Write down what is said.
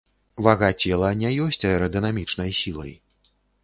Вага цела не ёсць аэрадынамічнай сілай.